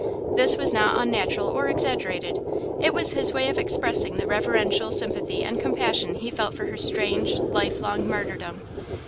This was not unnatural or exaggerated; it was his way of expressing the reverential sympathy and compassion he felt for her strange, life long martyrdom.